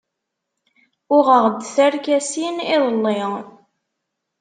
Uɣeɣ-d tarkasin iḍelli.